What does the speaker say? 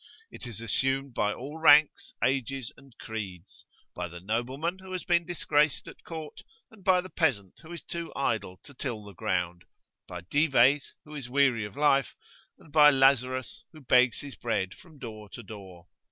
It is assumed by all ranks, ages, and creeds; by the nobleman who has been disgraced at court, and by the peasant who is too idle to till the ground; by Dives, who is weary of life, and by Lazarus, who begs his bread from door to door.